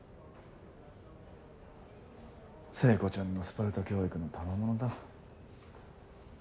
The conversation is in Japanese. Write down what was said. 聖子ちゃんのスパルタ教育のたまものだ。